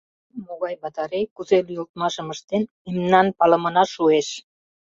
Могай батарей кузе лӱйылтмашым ыштен — мемнан палымына шуэш.